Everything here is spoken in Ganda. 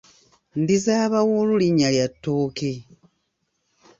Ndizabawuulu linnya lya ttooke.